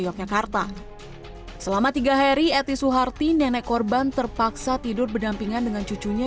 yogyakarta selama tiga hari eti suharti nenek korban terpaksa tidur berdampingan dengan cucunya